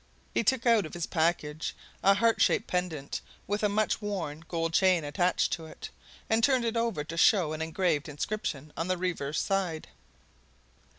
He took out of his package a heart shaped pendant, with a much worn gold chain attached to it, and turned it over to show an engraved inscription on the reverse side.